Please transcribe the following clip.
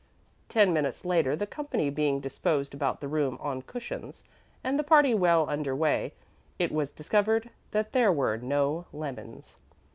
Ten minutes later, the company being disposed about the room on cushions, and the party well under way, it was discovered that there were no lemons.